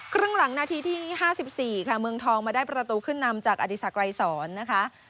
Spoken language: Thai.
ครึ่งหลังนาทีที่๕๔ค่ะเมืองทองมาได้ประตูขึ้นนำจากอดีศักดรายสอนนะคะ